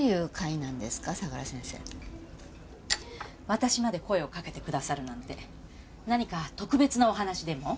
私まで声をかけてくださるなんて何か特別なお話でも？